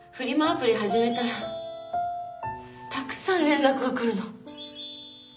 アプリ始めたらたくさん連絡が来るの。